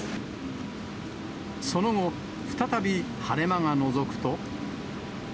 その後、再び晴れ間がのぞくと。